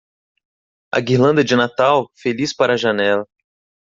A guirlanda de Natal feliz para a janela.